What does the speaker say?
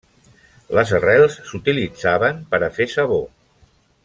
Les arrels s'utilitzaven per a fer sabó.